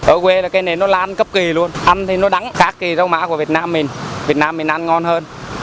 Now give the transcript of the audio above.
ở quê là cây này nó lan cấp kỳ luôn ăn thì nó đắng khác thì rau má của việt nam mình việt nam mình ăn ngon hơn